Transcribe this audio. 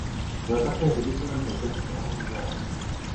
Byl také ředitelem plzeňského muzea.